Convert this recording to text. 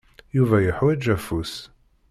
Yuba yeḥwaǧ afus.